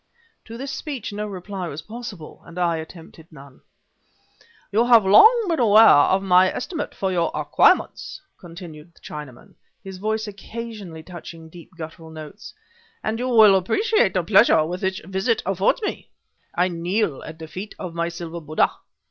To this speech no reply was possible, and I attempted none. "You have long been aware of my esteem for your acquirements," continued the Chinaman, his voice occasionally touching deep guttural notes, "and you will appreciate the pleasure which this visit affords me. I kneel at the feet of my silver Buddha.